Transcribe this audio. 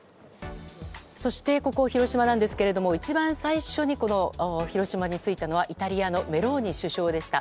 そして、ここ広島なんですけれど一番最初に広島に着いたのはイタリアのメローニ首相でした。